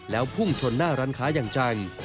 แล้วพุ่งชนหน้าร้านค้าอย่างจัง